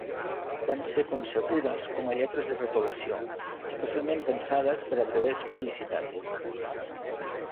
Van ser concebudes com a lletres de retolació, especialment pensades per a treballs publicitaris.